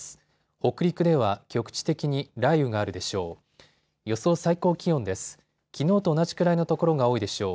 北陸では局地的に雷雨があるでしょう。